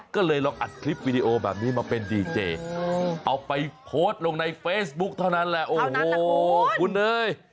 ก็เลยลองอัดคลิปวิดีโอแบบนี้มาเป็นดีเจเอาไปโพสต์ลงในเฟซบุ๊คเท่านั้นแหละโอ้โหคุณเอ๋ย